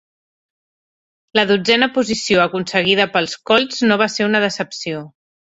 La dotzena posició aconseguida pels Colts no va ser una decepció.